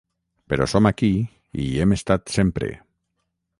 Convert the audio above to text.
Però som aquí i hi hem estat sempre.